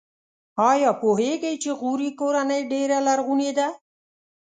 ایا پوهیږئ چې غوري کورنۍ ډېره لرغونې ده؟